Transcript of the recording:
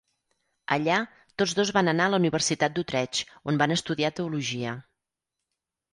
Allà, tots dos van anar a la Universitat d'Utrecht, on van estudiar teologia.